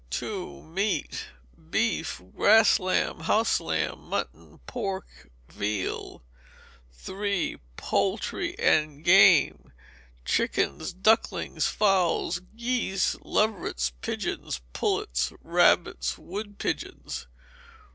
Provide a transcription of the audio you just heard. ii. Meat. Beef, grass lamb, house lamb, mutton, pork, veal. iii. Poultry and Game. Chickens, ducklings, fowls, geese, leverets, pigeons, pullets, rabbits; wood pigeons.